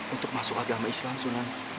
untuk masuk agama islam sunan